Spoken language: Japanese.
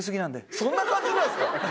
そんな感じなんですか？